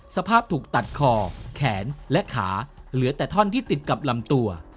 สภาพถูกตัดคอแขนและขาเหลือแต่ท่อนที่ติดกับลำตัว